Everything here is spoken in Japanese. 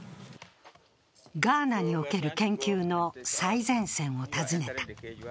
ガーナにおける研究の最前線を訪ねた。